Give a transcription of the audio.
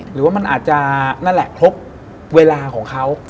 หรือว่ามันอาจจะนั่นแหละครบเวลาของเขา